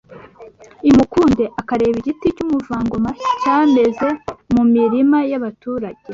i Mukunde akareba igiti cy’Umuvugangoma cyameze mu mirima y’abaturage